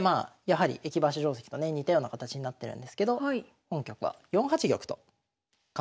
やはり駅馬車定跡とね似たような形になってるんですけど本局は４八玉と構えました。